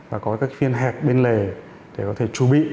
và có các phiên hẹp bên lề để có thể chuẩn bị